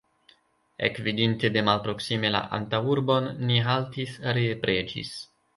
Ekvidinte de malproksime la antaŭurbon, ni haltis, ree preĝis.